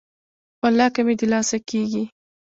ولاکه مې د لاسه کیږي.